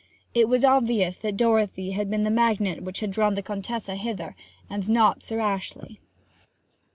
It was obvious that Dorothy had been the magnet which had drawn the Contessa hither, and not Sir Ashley.